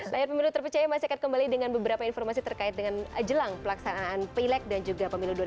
layar pemilu terpercaya masih akan kembali dengan beberapa informasi terkait dengan jelang pelaksanaan pilek dan juga pemilu dua ribu sembilan belas